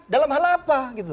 dalam hal apa gitu